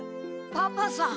パパさん！